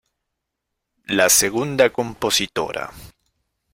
La segunda compositora.